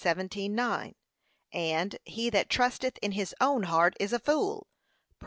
17:9) and, 'He that trusteth in his own heart is a fool.' (Prov.